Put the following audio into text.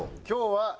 今日は。